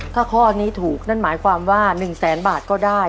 ถ้าข้อนี้ถูกนั่นหมายความว่า๑แสนบาทก็ได้